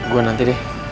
gue nanti deh